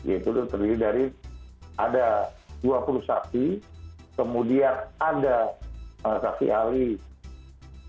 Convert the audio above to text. itu terdiri dari ada dua puluh saksi kemudian ada saksi alis